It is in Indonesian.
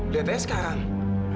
lihat aja sekarang